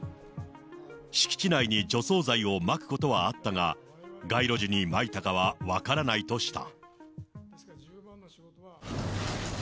敷地内に除草剤をまくことはあったが、街路樹にまいたかは分からないとした。